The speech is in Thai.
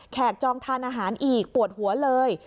จองทานอาหารอีกปวดหัวเลย